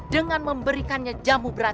dengan memberikannya jamu buah